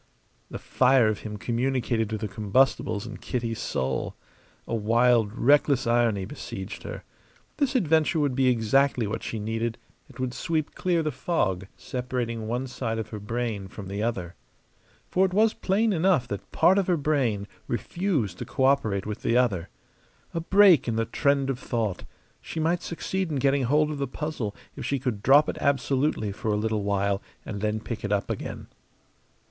The fire of him communicated to the combustibles in Kitty's soul. A wild, reckless irony besieged her. This adventure would be exactly what she needed; it would sweep clear the fog separating one side of her brain from the other. For it was plain enough that part of her brain refused to cooperate with the other. A break in the trend of thought: she might succeed in getting hold of the puzzle if she could drop it absolutely for a little while and then pick it up again.